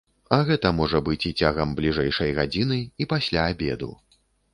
А гэта можа быць і цягам бліжэйшай гадзіны, і пасля абеду.